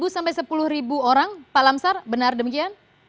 sepuluh sampai sepuluh orang pak lamsar benar demikian